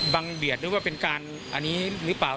บังเบียดว่าเป็นการอันนี้รึเปล่า